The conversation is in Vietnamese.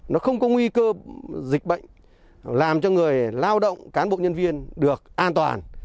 nó không có nguy cơ dịch bệnh làm cho người lao động cán bộ nhân viên được an toàn